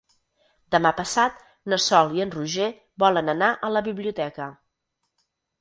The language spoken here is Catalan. Demà passat na Sol i en Roger volen anar a la biblioteca.